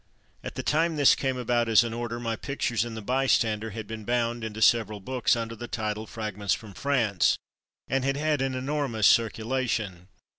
At the time this came about as an order, my pic tures in the Bystander had been bound into several books under the title of Fragments from France^ and had had an enormous circulation.